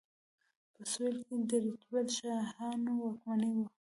په سویل کې د رتبیل شاهانو واکمني وه.